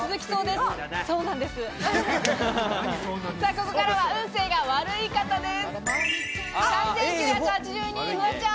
ここからは運勢が悪い方です。